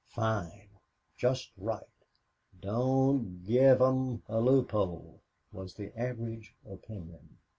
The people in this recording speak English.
"Fine" "Just right" "Don't give 'em a loophole," was the average opinion.